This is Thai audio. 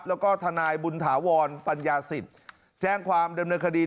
แล้วก็ทนายบุญถาวรปัญญาสิทธิ์แจ้งความดำเนินคดี